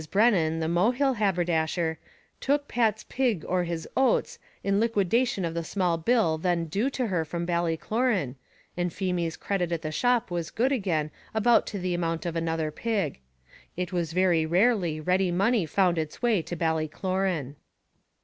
Brennan, the Mohill haberdasher, took Pat's pig or his oats in liquidation of the small bill then due to her from Ballycloran, and Feemy's credit at the shop was good again about to the amount of another pig. It was very rarely ready money found its way to Ballycloran.